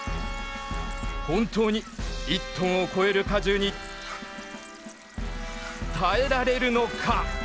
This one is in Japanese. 本当に１ｔを超える荷重に耐えられるのか？